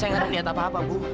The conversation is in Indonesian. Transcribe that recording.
saya gak ada niat apa apa